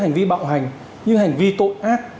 hành vi bạo hành những hành vi tội ác